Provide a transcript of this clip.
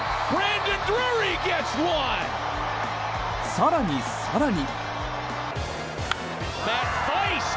更に更に。